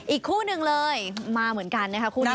อีกคู่หนึ่งเลยมาเหมือนกันนะคะคู่นี้